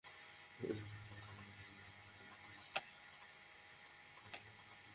এদের তরল রাখতে জোরাজুরি করা লাগে না।